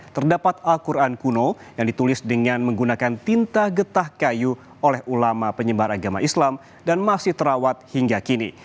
terdapat al quran kuno yang ditulis dengan menggunakan tinta getah kayu oleh ulama penyebar agama islam dan masih terawat hingga kini